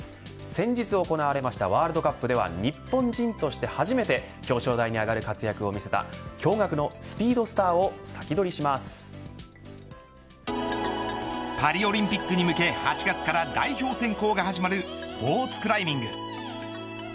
先日行われましたワールドカップでは日本人として初めて表彰台に上がる活躍を見せた驚がくのスピードスターをパリオリンピックに向け８月から代表選考が始まるスポーツクライミング。